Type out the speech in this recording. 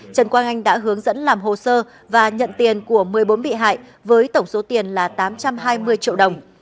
trần quang anh đã hướng dẫn làm hồ sơ và nhận tiền của một mươi bốn bị hại với tổng số tiền là tám trăm hai mươi triệu đồng